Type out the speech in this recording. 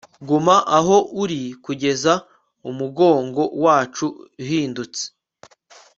guma aho uri kugeza umugongo wacu uhindutse